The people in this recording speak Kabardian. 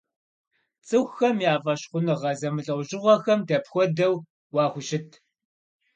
Цӏыхухэм я фӏэщхъуныгъэ зэмылӏэужьыгъуэхэм дапхуэдэу уахущыт?